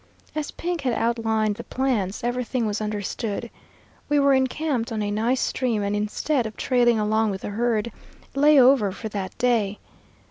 As Pink had outlined the plans, everything was understood. We were encamped on a nice stream, and instead of trailing along with the herd, lay over for that day.